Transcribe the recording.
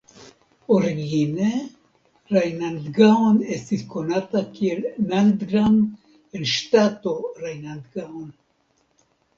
Origine Rajnandgaon estis konata kiel Nandgram en ŝtato Rajnandgaon.